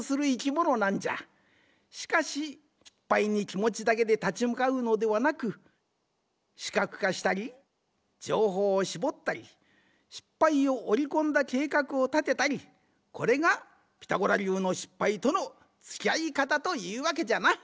しかし失敗にきもちだけでたちむかうのではなく視覚化したり情報をしぼったり失敗をおりこんだ計画をたてたりこれが「ピタゴラ」りゅうの失敗とのつきあいかたというわけじゃな。